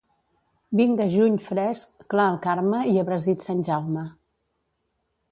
Vinga juny fresc, clar el Carme i abrasit Sant Jaume.